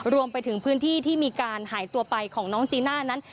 รวมไปถึงพื้นที่ที่มีการหายตัวไปของน้องจีน่านั้น